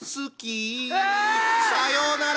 うわ！さようなら！